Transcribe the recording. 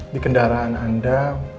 di kendaraan anda